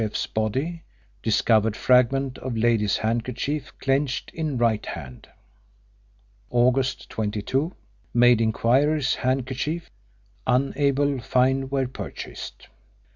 F.'s body. Discovered fragment of lady's handkerchief clenched in right hand. August 22. Made inquiries handkerchief. Unable find where purchased.